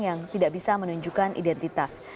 yang tidak bisa menunjukkan identitas